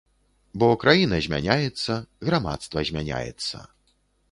Бо краіна змяняецца, грамадства змяняецца.